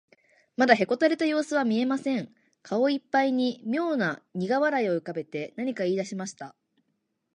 まだへこたれたようすは見えません。顔いっぱいにみょうなにが笑いをうかべて、何かいいだしました。